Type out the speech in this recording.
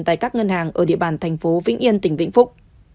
tại các ngân hàng ở địa bàn thành phố vĩnh yên tỉnh vĩnh phúc